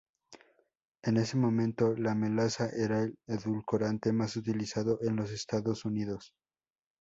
En ese momento, la melaza era el edulcorante más utilizado en los Estados Unidos.